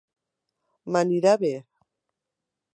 M'anirà bé.